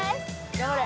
頑張れ！